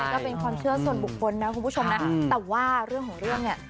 ก็เป็นความเชื่อส่วนบุคคลนะคุณผู้ชมนะแต่ว่าเรื่องของเรื่องเนี่ย